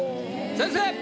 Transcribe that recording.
先生！